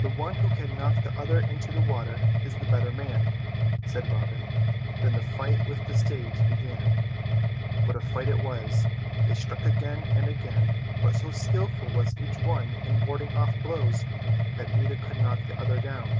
"The one who can knock the other into the water is the better man," said Robin. Then the fight with the staves began. What a fight it was! They struck again and again, but so skilful was each one in warding off blows that neither could knock the other down.